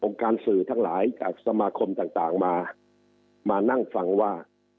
การสื่อทั้งหลายจากสมาคมต่างมามานั่งฟังว่า